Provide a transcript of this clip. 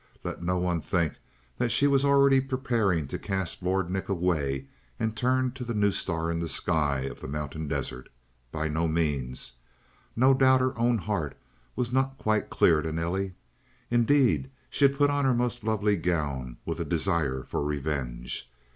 Let no one think that she was already preparing to cast Lord Nick away and turn to the new star in the sky of the mountain desert. By no means. No doubt her own heart was not quite clear to Nelly. Indeed, she put on her most lovely gown with a desire for revenge.